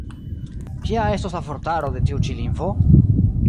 Kia estos la vortaro de tiu ĉi lingvo?